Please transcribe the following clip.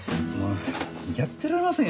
やってられませんよ